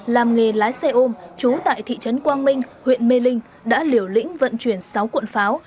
làm nghề lái xe ôm chú tại thị trấn quang minh huyện mê linh đã liều lĩnh vận chuyển sáu cuộn pháo